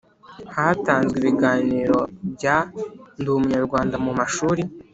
Hatanzwe ibiganiro bya Ndi Umunyarwanda mu mashuri